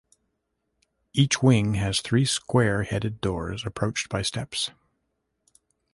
Each wing has three square-headed doors approached by steps.